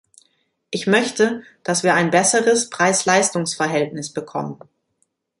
Ich möchte, dass wir ein besseres Preis-Leistungs-Verhältnis bekommen.